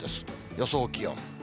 予想気温。